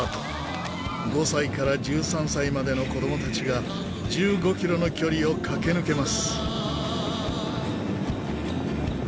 ５歳から１３歳までの子供たちが１５キロの距離を駆け抜けます。